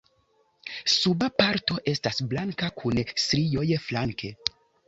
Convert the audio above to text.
Suba parto esta blanka kun strioj flanke.